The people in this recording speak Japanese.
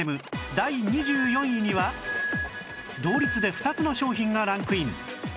第２４位には同率で２つの商品がランクイン